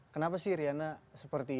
kenapa sih riana seperti